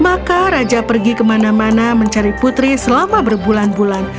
maka raja pergi kemana mana mencari putri selama berbulan bulan